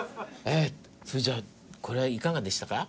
それじゃあこれいかがでしたか？